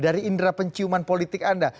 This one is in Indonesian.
dari indera penciuman politik anda